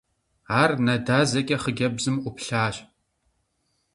Ар нэ дазэкӀэ хъыджэбзым Ӏуплъащ.